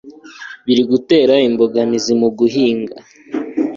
biri gutera imbogamizi muguhinga